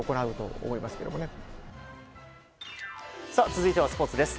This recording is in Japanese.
続いてはスポーツです。